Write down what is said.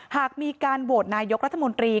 หากมีการโหวตนายกรัฐมนตรี